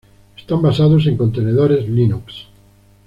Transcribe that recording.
Están basados en Contenedores Linux.